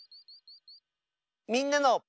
「みんなの」。